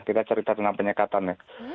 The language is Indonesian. tidak cerita tentang penyekatan ya